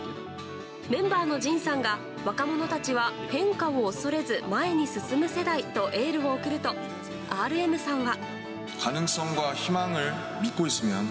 メンバーのＪＩＮさんが若者たちは変化を恐れず前に進む世代とエールを送るとＲＭさんは。